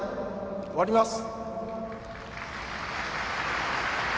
終わります。